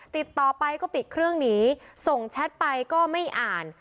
ติดต่อไปก็ปิดเครื่องหนีส่งแชทไปก็ไม่อ่าน